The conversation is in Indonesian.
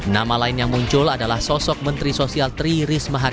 nama lain yang muncul adalah sosok menteri sosial tri risma hari ini